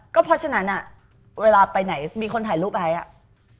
ก็เพราะฉะนั้นเวลาไปไหนมีคนถ่ายรูปเกี่ยวกับไอท์